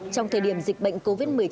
trong thời điểm dịch bệnh covid một mươi chín